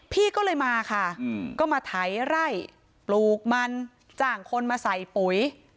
พี่ก็เลยมาค่ะก็มาไถไร่ปลูกมันจ้างคนมาใส่ปุ๋ย